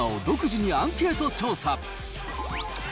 今、旬のテーマを独自にアンケート調査。